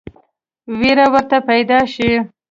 وېره ورته پیدا شي.